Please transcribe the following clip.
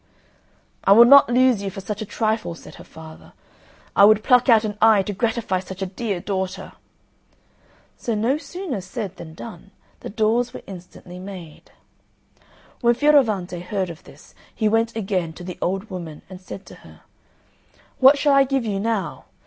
"I will not lose you for such a trifle," said her father; "I would pluck out an eye to gratify such a dear daughter!" So, no sooner said than done, the doors were instantly made. When Fioravante heard of this he went again to the old woman and said to her, "What shall I give you now?